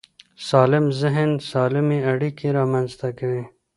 سالم ذهن سالمې اړیکې رامنځته کوي.